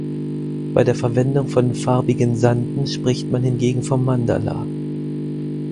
Bei der Verwendung von farbigen Sanden spricht man hingegen vom Mandala.